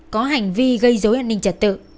có hành vi gây dối an ninh trật tự